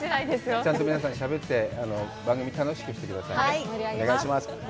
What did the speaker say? ちゃんと、皆さん、しゃべって、番組、楽しくしてくださいね。